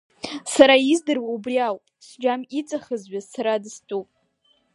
Сара издыруа убри ауп, сџьам иҵахызҩаз сара дыстәуп.